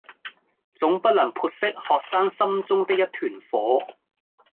總不能潑熄學生心中的一團火